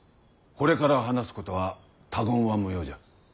これから話すことは他言は無用じゃ。